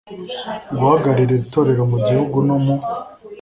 Guhagararira Itorero mu gihiugu no mu